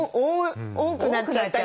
多くなっちゃったり。